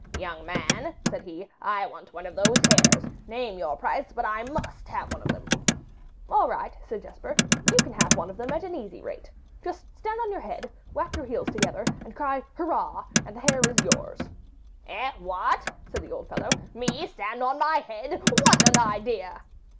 'Young man,' said he, 'I want one of those hares; name your price, but I MUST have one of them.' 'All right,' said Jesper; 'you can have one at an easy rate. Just stand on your head, whack your heels together, and cry "Hurrah," and the hare is yours.' 'Eh, what!' said the old fellow; 'ME stand on my head, what an idea!